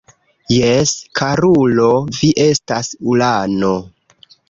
Jes, karulo, vi estas ulano.